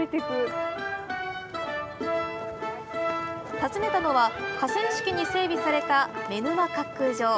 訪ねたのは、河川敷に整備された妻沼滑空場。